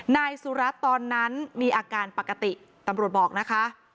นายสุรัตน์ตอนนั้นมีอาการปกติตำรวจบอกนะคะ